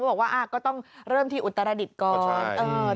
บอกว่าก็ต้องเริ่มที่อุตรดิษฐ์ก่อน